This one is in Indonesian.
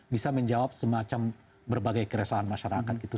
bisa menjawab semacam berbagai keresahan masyarakat gitu